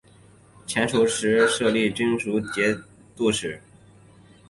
前蜀时设立雄武军节度使。